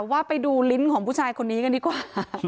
ว่าไปดูลิ้นของผู้ชายคนนี้กันดีกว่า